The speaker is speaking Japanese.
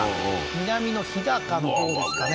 南の日高のほうですかね